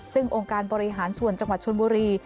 ซึ่งองค์การบริหารส่วนจังหวัดชนบุรี